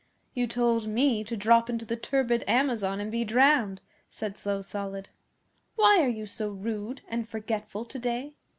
'You told me to drop into the turbid Amazon and be drowned,' said Slow Solid. 'Why are you so rude and forgetful to day?